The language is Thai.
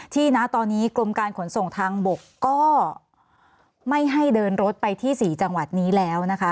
ณตอนนี้กรมการขนส่งทางบกก็ไม่ให้เดินรถไปที่๔จังหวัดนี้แล้วนะคะ